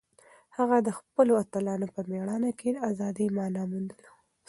هغه د خپلو اتلانو په مېړانه کې د ازادۍ مانا موندله.